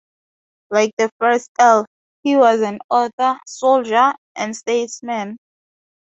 Like the first earl, he was an author, soldier and statesman.